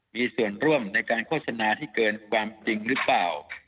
มีส่วนร่วมในการโฆษณาที่เกินความจริงหรือเปล่า